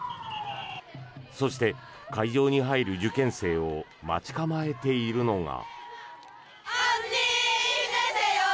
そして会場に入る受験生を待ち構えているのが。